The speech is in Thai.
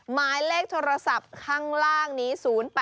หมายเลขโทรศัพท์ข้างล่างนี้๐๘๐๗๙๑๕๖๗๙